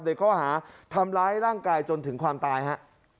เนี่ยเขาหาทำร้ายร่างกายจนถึงความตายฮะ